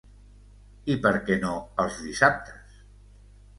I per què no els dissabtes?